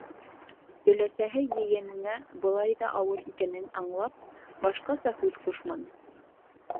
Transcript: Өләсәһе ейәненә былай ҙа ауыр икәнен аңлап, башҡаса һүҙ ҡушманы.